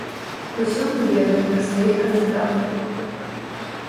Усё мы ведаем пра сваіх кандыдатаў.